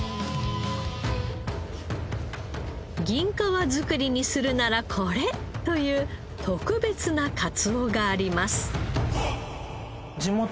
銀皮造りにするならこれ！という特別なかつおがあります。